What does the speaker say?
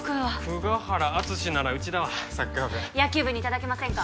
久我原篤史ならうちだわサッカー部野球部にいただけませんか？